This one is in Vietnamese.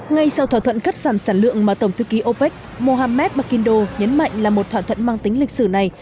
ngay sau thỏa thuận cắt giảm sản lượng mà tổng thư ký opec mohamed makindo nhấn mạnh là một thỏa thuận mang tính lịch sử này